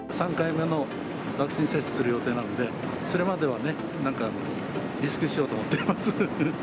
３回目のワクチン接種する予定なので、それまではね、なんか自粛しようと思っています。